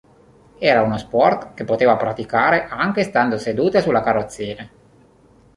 Era uno sport che poteva praticare anche stando seduta sulla carrozzina.